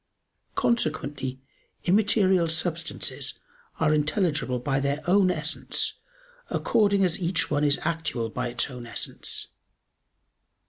Consequently immaterial substances are intelligible by their own essence according as each one is actual by its own essence.